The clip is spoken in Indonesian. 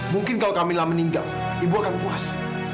mungkin kalau kamilah meninggal ibu akan puas